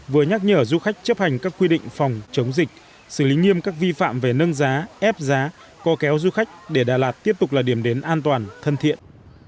vừa nhắc nhở du khách chấp hành các quy định phòng chống dịch xử lý nghiêm các vi phạm về nâng giá ép giá co kéo du khách để đà lạt tiếp tục là điểm đến an toàn thân thiện